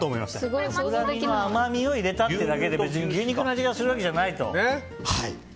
松阪牛の甘みを入れたっていうだけで別に牛肉の味がするわけじゃないと。